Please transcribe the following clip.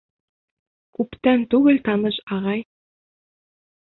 Күптән түгел таныш ағай: